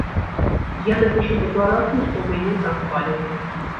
Я напішу дэкларацыю, што ў мяне там паліва.